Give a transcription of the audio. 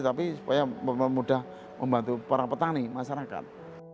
tapi supaya mudah membantu para petani masyarakat